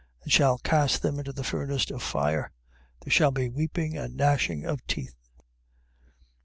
13:42. And shall cast them into the furnace of fire: there shall be weeping and gnashing of teeth.